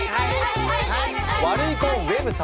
ワルイコウェブ様。